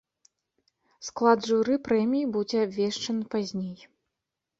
Склад журы прэміі будзе абвешчаны пазней.